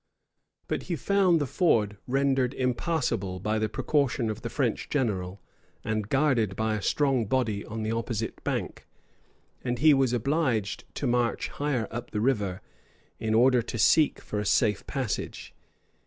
But he found the ford rendered impassable by the precaution of the French general, and guarded by a strong body on the opposite bank;[*] and he was obliged to march higher up the river, in order to seek for a safe passage.